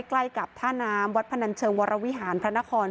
ใกล้กับท่าน้ำวัดพนันเชิงวรวิหารพระนคร